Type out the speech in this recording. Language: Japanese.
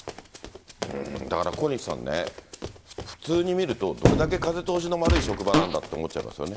だから小西さんね、普通に見ると、どれだけ風通しの悪い職場なんだって思っちゃいますよね。